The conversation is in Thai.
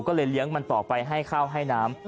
ก็เลยเลี้ยงมันต่อไปให้ข้าวให้น้ำ